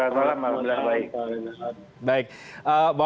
selamat malam maaf maaf